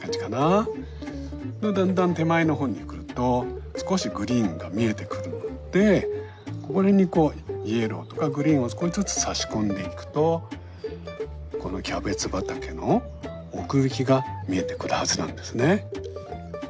だんだん手前のほうに来ると少しグリーンが見えてくるのでここら辺にこうイエローとかグリーンを少しずつさし込んでいくとこのキャベツ畑の奥行きが見えてくるはずなんですね。